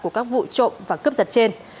của các vụ trộm và cướp giật trên